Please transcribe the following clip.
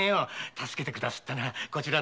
助けてくだすったのはこちらのお侍さんだ。